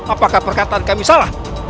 apakah perkataan kami salah